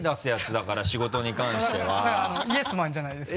だからあのイエスマンじゃないですか？